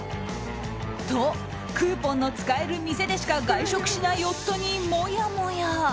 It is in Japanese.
と、クーポンが使える店でしか外食しない夫に、もやもや。